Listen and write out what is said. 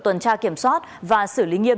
tuần tra kiểm soát và xử lý nghiêm